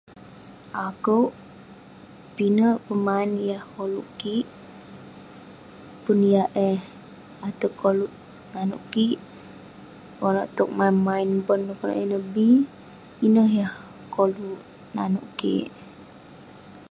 akouk, pinek pemain yah koluk kik, pun yah eh ateg koluk, nanouk kik ..konak towk main main bon konak ineh bi..ineh yah koluk nanouk kik.